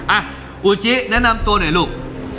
อ่ะอูจิแนะนำตัวหน่อยลูก